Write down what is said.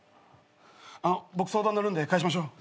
あの僕相談乗るんで返しましょう。